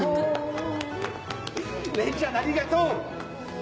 レイちゃんありがとう！